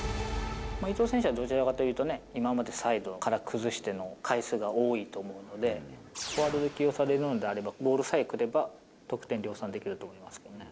伊東選手はどちらかというと、今までサイドから崩していく回数が多いと思うので、フォワードで起用されるんであれば、ボールさえ来れば、得点量産